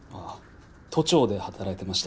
都庁で働いてました。